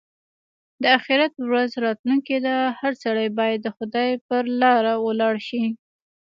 د اخيرت ورځ راتلونکې ده؛ هر سړی باید د خدای پر لاره ولاړ شي.